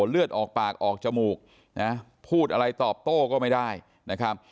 เลือดออกปากออกจมูกนะพูดอะไรตอบโต้ก็ไม่ได้นะครับ